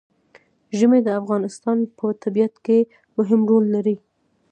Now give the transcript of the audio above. ژمی د افغانستان په طبیعت کې مهم رول لري.